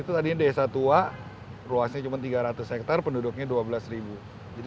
itu tadi desa tua ruasnya cuma tiga ratus hektar penduduknya dua belas jadi